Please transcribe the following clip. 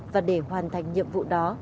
và để hoàn thành nhiệm vụ đó